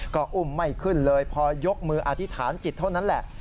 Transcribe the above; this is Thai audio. ก็อุ้มไม่ขึ้นเลยพอยกมืออธิษฐานจิตเท่านั้นแหละ